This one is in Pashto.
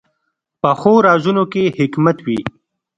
پخو رازونو کې حکمت وي